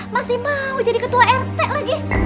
masih mau jadi ketua rt lagi